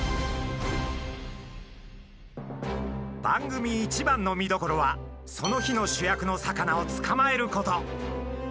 番組一番の見どころはその日の主役の魚を捕まえること。